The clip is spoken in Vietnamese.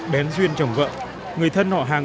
bén duyên chồng vợ người thân họ hàng